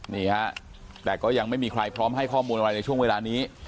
นี่ฮะแต่ก็ยังไม่มีใครพร้อมให้ข้อมูลอะไรในช่วงเวลานี้